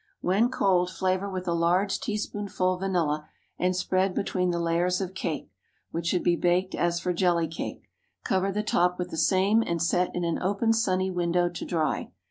When cold, flavor with a large teaspoonful vanilla, and spread between the layers of cake, which should be baked as for jelly cake. Cover the top with the same, and set in an open, sunny window to dry.